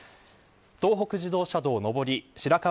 東北自動車道、上り白河